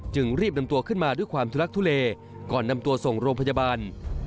รีบนำตัวขึ้นมาด้วยความทุลักทุเลก่อนนำตัวส่งโรงพยาบาล